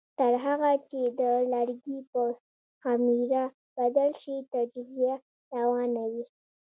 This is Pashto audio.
تر هغه چې د لرګي په خمېره بدل شي تجزیه روانه وي.